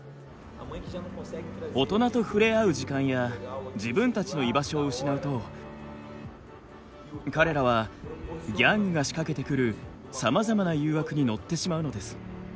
大人と触れ合う時間や自分たちの居場所を失うと彼らはギャングが仕掛けてくるさまざまな誘惑に乗ってしまうのです。